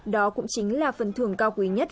đó cũng chính là phần thưởng cao quý nhất